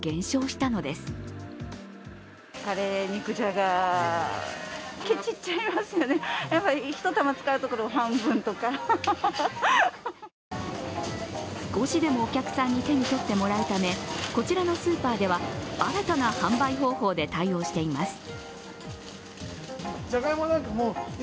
少しでもお客さんに手に取ってもらうため、こちらのスーパーでは新たな販売方法で対応しています。